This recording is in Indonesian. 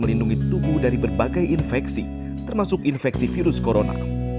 mereka juga dapat melindungi tubuh dari berbagai infeksi termasuk infeksi virus corona